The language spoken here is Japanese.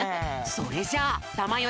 それじゃあたまよ